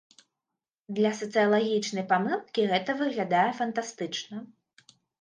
Для сацыялагічнай памылкі гэта выглядае фантастычна.